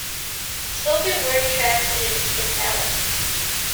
Spoken word tracks in "italic".